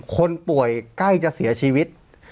คนป่วยใกล้จะเสียชีวิต